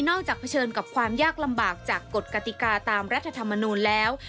จะเผชิญกับความยากลำบากจากกฎกติกาตามรัฐธรรมนูลแล้ว